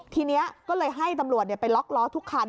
ทีนี้ก็เลยให้ตำรวจไปล็อกล้อทุกคัน